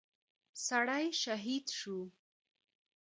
سړى شهيد شو.